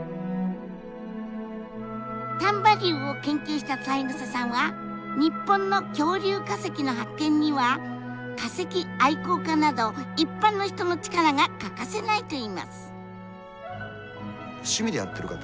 丹波竜を研究した三枝さんは日本の恐竜化石の発見には化石愛好家など一般の人の力が欠かせないといいます。